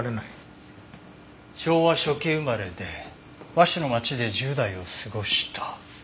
昭和初期生まれで和紙の町で１０代を過ごした。